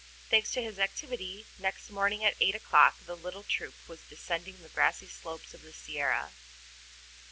Thanks to his activity, next morning at eight o'clock the little troop was descending the grassy slopes of the Sierra.